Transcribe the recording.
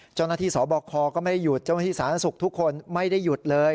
เจ้าหน้าที่สอบคลก็ไม่ได้หยุดเจ้าหน้าที่สรรคสุขทุกคนไม่ได้หยุดเลย